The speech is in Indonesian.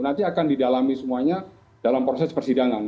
nanti akan didalami semuanya dalam proses persidangan